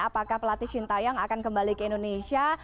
apakah pelatih shinta yang akan kembali ke indonesia